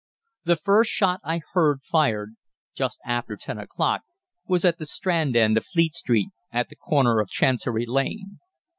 "The first shot I heard fired, just after ten o'clock, was at the Strand end of Fleet Street, at the corner of Chancery Lane.